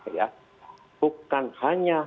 ya bukan hanya